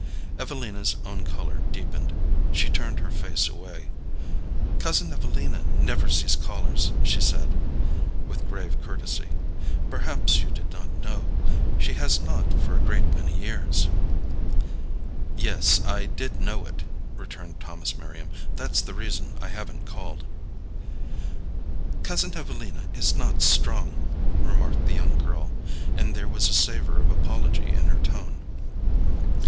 Evelina's own color deepened. She turned her face away. "Cousin Evelina never sees callers," she said, with grave courtesy; "perhaps you did not know. She has not for a great many years." "Yes, I did know it," returned Thomas Merriam; "that's the reason I haven't called." "Cousin Evelina is not strong," remarked the young girl, and there was a savor of apology in her tone.